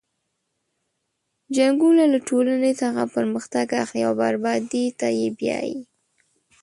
جنګونه له ټولنې څخه پرمختګ اخلي او بربادۍ ته یې بیایي.